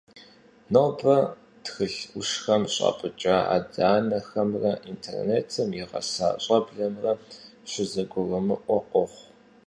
Нобэ, тхылъ Ӏущхэм щӀапӀыкӀа адэ-анэхэмрэ интернетым игъэса щӀэблэмрэ щызэгурымыӀуэ къохъу.